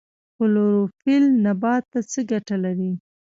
کلوروفیل نبات ته څه ګټه لري؟